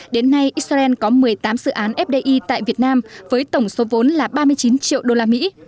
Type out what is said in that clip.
đến nay israel có một mươi tám dự án fdi tại việt nam với tổng số vốn là ba mươi chín triệu usd